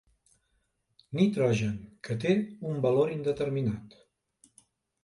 Nitrogen que té un valor indeterminat.